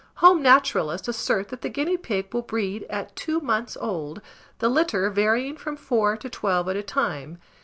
Home naturalists assert that the guinea pig will breed at two months old, the litter varying from four to twelve at a time.